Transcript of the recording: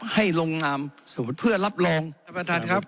ให้ลงอามเพื่อรับลองสวัสดีครับสวัสดีครับ